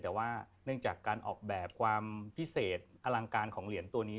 แต่ว่าเนื่องจากการออกแบบความพิเศษอลังการของเหรียญตัวนี้